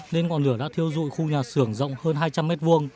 nên ngọn lửa đã thiêu dụi khu nhà xưởng rộng hơn hai trăm linh m hai